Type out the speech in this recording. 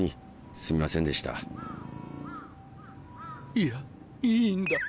いやいいんだ。